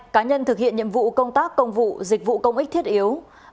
cá nhân thực hiện nhiệm vụ công tác công vụ dịch vụ công ích thiết yếu